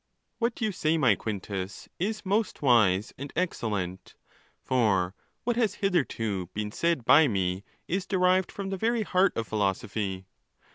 —What you say, my Quintus, is most wise and excellent, for what has hitherto been said by me' is derived from the very heart of philosophy.